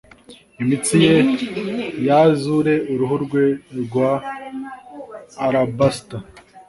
imitsi ye ya azure, uruhu rwe rwa alabaster,